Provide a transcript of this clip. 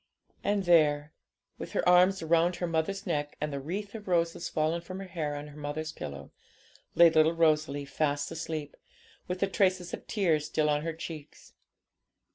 And there, with her arms round her mother's neck, and the wreath of roses fallen from her hair on her mother's pillow, lay little Rosalie, fast asleep, with the traces of tears still on her cheeks.